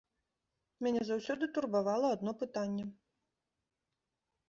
Мяне заўсёды турбавала адно пытанне.